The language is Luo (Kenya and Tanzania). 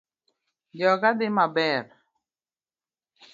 Joga dhi maber